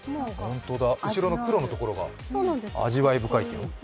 後ろの黒のところが味わい深い。